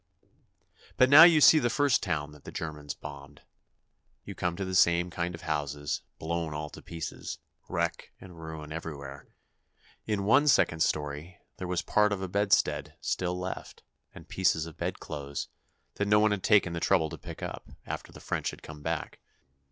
But now you see the first town that the Germans bombed. You come to the same kind of houses, blown all to pieces, wreck and ruin everywhere. In one second story, there was part of a bedstead still left, and pieces of bed clothes, that no one had taken the trouble to pick up, after the French had come back.